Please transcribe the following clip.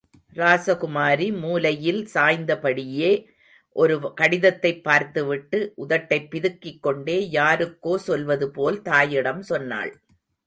ராசகுமாரி மூலையில் சாய்ந்தபடியே ஒரு கடிதத்தைப் பார்த்துவிட்டு உதட்டைப் பிதுக்கிக் கொண்டே யாருக்கோ சொல்வதுபோல், தாயிடம் சொன்னாள்.